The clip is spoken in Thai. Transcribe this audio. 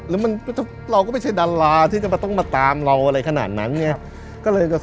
เราก็ไม่ใช่ดาราที่จะต้องมาตามเราขนาดนั้นเนี่ย